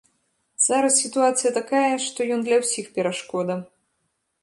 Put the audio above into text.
Зараз сітуацыя такая, што ён для ўсіх перашкода.